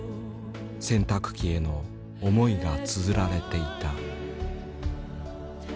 洗濯機への思いがつづられていた。